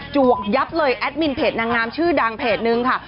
วกยับเลยแอดมินเพจนางงามชื่อดังเพจนึงค่ะ